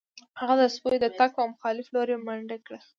هغه د سپیو د تګ په مخالف لوري منډه کړه